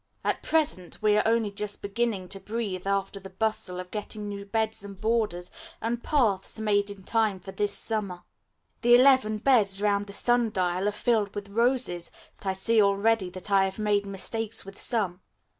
At present we are only just beginning to breathe after the bustle of getting new beds and borders and paths made in time for this summer. The eleven beds round the sun dial are filled with roses, but I see already that I have made mistakes with some.